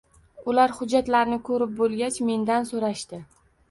Ular hujjatlarni ko`rib bo`lgach, mendan so`rashdi